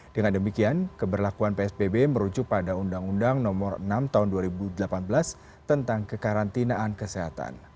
dengan demikian keberlakuan psbb merujuk pada undang undang nomor enam tahun dua ribu delapan belas tentang kekarantinaan kesehatan